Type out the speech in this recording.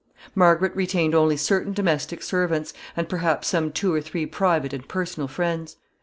Margaret retained only certain domestic servants, and perhaps some two or three private and personal friends.